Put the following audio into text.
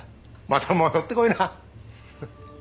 また戻ってこいな。